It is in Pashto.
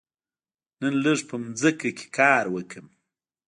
نن لږ په ځمکه کې کار وکړم.